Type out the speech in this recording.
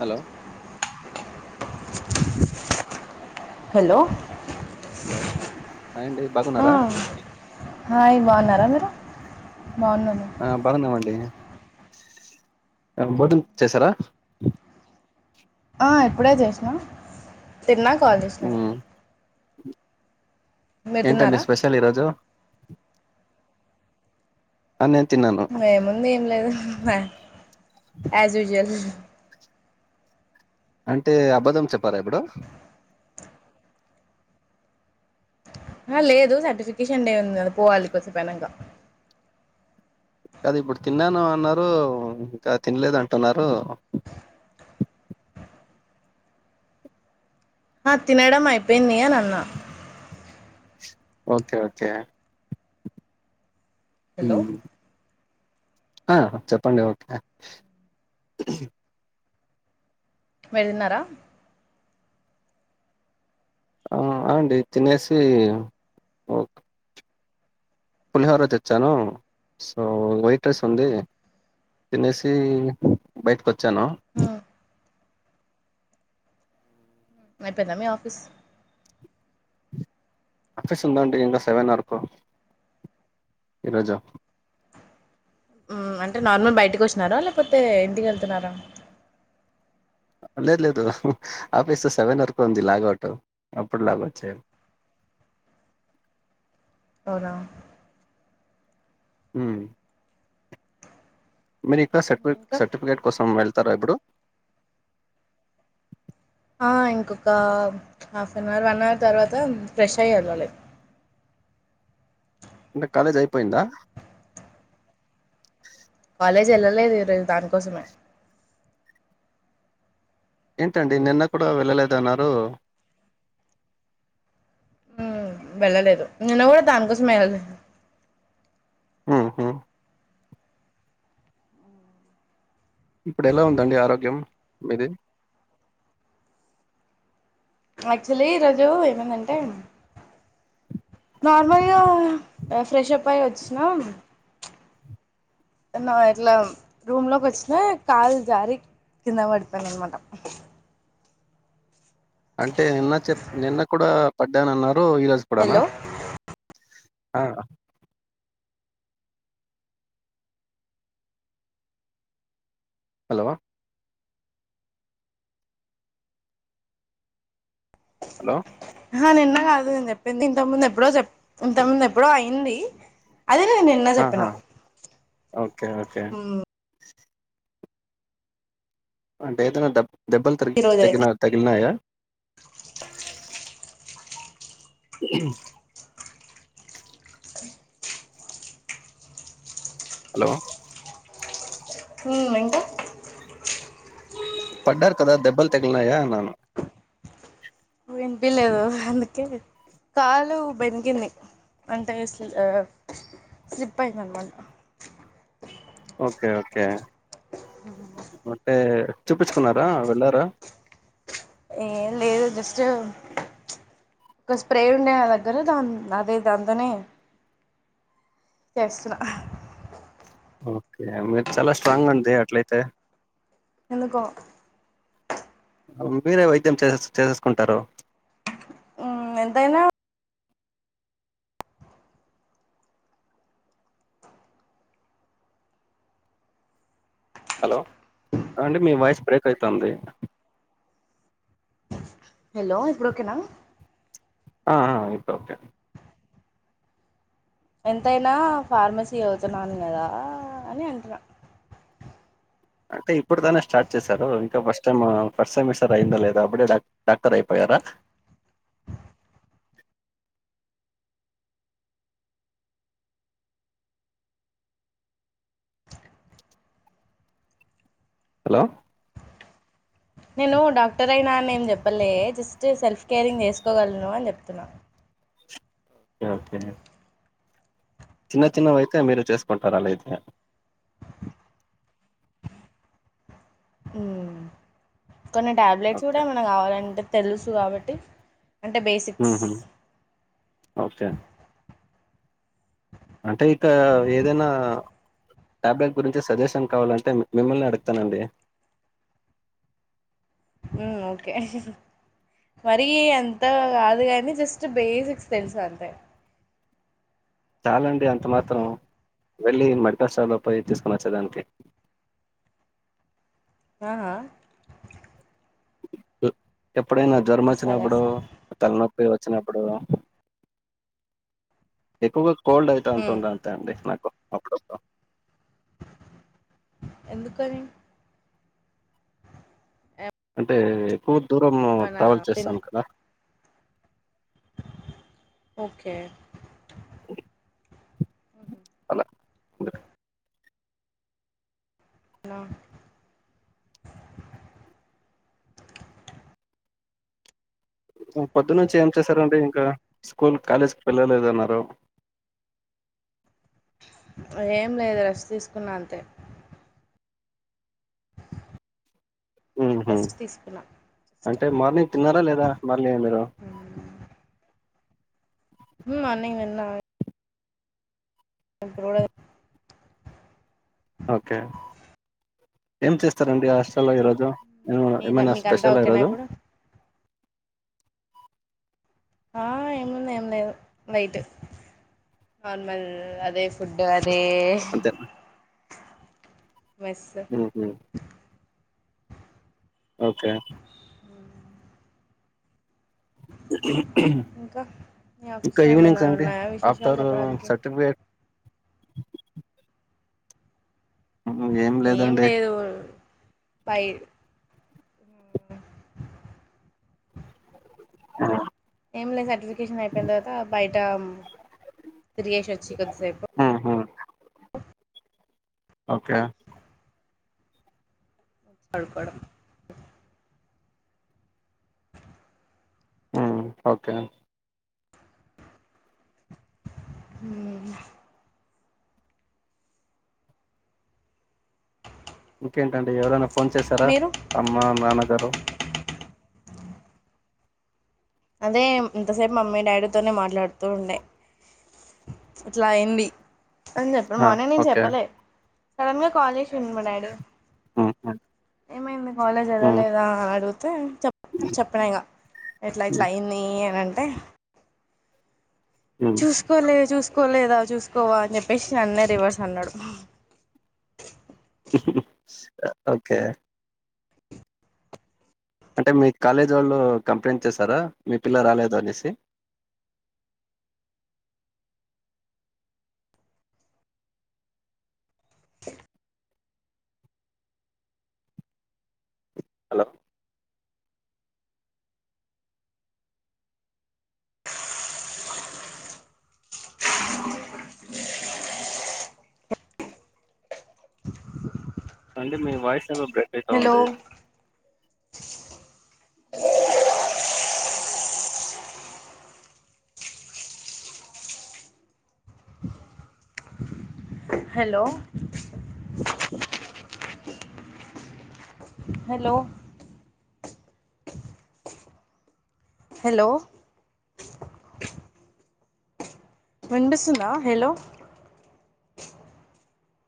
Hello hello hi అండి ఆ, బగున్నారా? హాయ్ బాగున్నారా మీరు బాగున్నారా ఆ బాగుంన్నామండి ఆంబోటిన్ చేశారా ఇప్పుడే చేస్నా తిన్నా కాల్ చేసినా మ్మ్ మీరు ఏంటండి తిన్నారా స్పెషల్ ఈరోజు నేను తిన్నాను ఏముంది ఏం లేదు యాజ్ యూజువల్ అంటే అబద్ధం చెప్పారా ఇప్పుడు ఆ లేదు సర్టిఫికేషన్ డే ఉంది కద పోవాలి కొసేపపైనంగా అది ఇప్పుడు తిన్నాను అన్నారు ఇంకా తినలేద అంటున్నారు. ఆ తినడం అయిపోయింది అని అన్న ఓకే ఓకే హలో హ చెప్పండి ఓకే మీరుతిన్నారా? ఉమ్ అండి తినేసి ఓకే పులిహోర తెచ్చాను సో వైట్ రైస్ ఉంది. తినేసి బయటకి వచ్చాను. హ అయిపోయిందా మి ఆఫీస్ ఆఫీస్ ఉందండి ఇంకా సెవెన్ వరకు ఈరోజు అంటే నార్మల్ బయటకి వచ్చినారా లేకపోతే ఇంటికేళ్తున్నారా లేదు లేదు ఆఫీస్ సెవెన్ వరకు ఉంది లాగౌట్ అప్పుడు లాగౌట్ చెయ్యాలి అవునా ఆ మీరు ఇంకా సర్టిఫ ఇంకా సర్టిఫికేట్ కోసం వెళ్తారా ఇప్పుడు ఇంకొక half an hour one hour తర్వాత ఫ్రెష్ అయ్య వెళ్ళాలి అంటే కాలేజ్ అయిపోయిందా కాలేజ్ వెళ్ళలేదు ఈరోజు దానికోసమే ఏంటండి నిన్న కూడా వెళ్ళలేదు అన్నారు. మ్మ్ వెళ్ళలేదు నిన్న కూడా దానికోమే వెళ్ళలేదు ఉహు ఇప్పుడు ఎలా ఉందండి ఆరోగ్యం మీది యాక్చువల్లీ ఈరోజు ఏమైందంటే నార్మల్గా ఫ్రెష్ప్ అయివచ్చినా నా ఇట్లా రూమ్ లోకి వచ్చిన కాలు జారీ కింద వడిపోన అనమాటా అంటే నిన్న చెప్ నిన్న కూడా పడ్డానన్నారు ఈ రోజు కూడానా హలో ఆ హలో హలో హ నిన్న కాదు నేను చెప్పింది ఇంత ముందు ఎప్పుడో చెప్ ఇంత ముందు ఎప్పుడో అయింది. అదే లే నిన్న చెప్పిన ఆహా ఓకే ఓకే అంటే ఏదైనా దబ్ దెబ్బలు ఈ రోజు తగిన అయితే తగిల్నాయా ఇ హలో ఉ ఇంకా పడ్డారు కదా దెబ్బల్ తగిలినాయా అన్నాను వినిపీయలేదు అందుకే కాలు బెణికింది అంటే స్ స్లిప్ అయిందనమాట ఓకే ఓకే అంటే చూపించుకున్నారా వెళ్ళారా ఏం లేదు జస్ట్ ఒక స్ప్రే ఉండే నా దగ్గర దా అదే దాంతోనే చేస్తున్నా ఓకే మీరు చాలా స్ట్రాంగ్ అంది అట్లయితే ఎందుకో మీరే వైద్యం చేస్ చేసేసుకుంటారు హు ఎంతైనా హలో హలో అండి మీ వాయిస్ బ్రేక్ అయితంది హలో ఇప్పుడు ఓకేనా ఆ ఆ ఇప్పుడు ఓకే ఎంతైనా ఫార్మసీ చదుతున్నాను కదా అని అంటున్నా అంటే ఇప్పుడు తనే స్టార్ట్ చేశారు ఇంకా ఫస్ట్ టైము ఫస్ట్ సెమిస్టర్ అయిందో లేదు అప్పుడే డాక్టర్ అయిపోయారా హలో నేను డాక్టర్ అయినా అని ఏం చెప్పలే జస్ట్ సెల్ఫ్ కేరింగ్ చేసుకోగలను అని చెప్తున్నా ఓకే ఓకే చిన్న చిన్నవైతే మీరు చేసుకుంటారు అలా అయితే ఉహ్ కొన్ని టాబ్లెట్స్ కూడా ఓకే. ఏమైనా కావాలంటే తెలుసు కాబట్టి అంటే బేసిక్స్ ఉహు ఒకే అంటే ఇక ఏదైనా టాబ్లెట్ గురించి సజెషన్ కావాలంటే మిమ్మల్నే అడుగుతానండి ఉ ఓకే మరి అంత కాదు గానీ జస్ట్ బేసిక్స్ తెలుసు అంతే చాలాండి అంత మాత్రం వెళ్ళి మద్రాసలో పోయి తీసుకోనోచ్చేదానికి ఆహా ఎప్పుడైనా జ్వరం వేస్తా వచ్చినప్పుడు వేస్తా తలనొప్పి వచ్చినప్పుడు ఎక్కువగా కోల్డ్ అయితా ఉంటుండే అండి నాకు అప్పుడప్పుడు ఎందుకని అంటే ఎక్కువ దూరం మన ట్రావెల్ తిన్ చేస్తాను కదా ఓకే అలా హలో పొద్దు నుంచి ఏం చేశారండి ఇంకా స్కూల్ కాలేజ్ వెళ్లలేదన్నారు అదేం లేదు రేస్ట్ తీసుకున్న అంతే ఉహు రెస్ట్ తీసుకున్నా జస్ట్ అంటే మార్నింగ్ తిన్నారా లేదా మల్లి మీరు హ్మ్మ్ మార్నింగ్ విన్నవే అప్పు కూడా ఓకే ఏం చేస్తారండి హాస్టల్లో ఈరోజు మీద ఏమన్నా మీకంతా స్పెషల్ అ ఓకేనా ఈరోజు ఇప్పుడు ఆ ఏముంది ఏం లేదు వైట్ నార్మల్ అదే ఫుడ్ అదే అంతేమ్మ మెస్ హు హ్మ్మ్ ఓకే ఇంకా మీ ఇంకా ఆఫీస్లో ఏమైనా ఈవినింగ్స్ అంటే ఉన్నాయా విశేషాలు ఆఫ్టర్ చెప్పడానికి సర్టిఫికేట్ హ్మ్. ఏం లేదండి లేదు పై [unintelligible] ఏం లేదు సర్టిఫికేషన్ అయిపోయిన తర్వాత బయట తిరగేసి వచ్చి కొద్దిసేపు ఆహా ఓకే [inaudible] పడుకోడం ఊ ఓకే హ్మ్మ్ ఇంకేంటండి ఎవరైనా ఫోన్ చేశారా మీరు అమ్మ నాన్నగారు అదే ఇంతసేపు మమ్మీ డాడీతోనే మాట్లాడుతూ ఉండే ఇట్లా అయ్యింది అని చెప్పే ఆ మార్నింగ్ నేను ఓకే చెప్పలే సడన్ గా కాల్ చేసిండు మా డాడీ ఆ ఏమైంది కాలేజ్ వదల్లేదా అని అడిగితే చెప్ చెప్పినా ఇగ ఎట్లా ఇట్లా అయింది అని అంటే ఉమ్ చూసుకోలేదు చూసుకోలేదా చూసుకోవా అని చెప్పేసి నన్నే రివర్స్ అన్నాడు ఓకే అంటే మీ కాలేజీ వాళ్ళు కంప్లైంట్ చేసారా మీ పిల్ల రాలేదు అనేసి హలో అండి మీ వాయిస్ ఏమో బ్రేక్ హలో అయితావుంది హలో హలో హలో వినిపిస్తుందా హలో